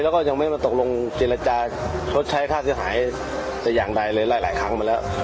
แล้วก็ยังไม่มาตกลงเจรจาชดใช้ค่าเสียหายแต่อย่างใดเลยหลายครั้งมาแล้ว